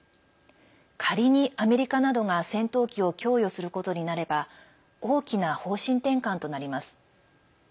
仮に、アメリカなどが戦闘機を供与することになれば大きな方針転換となります。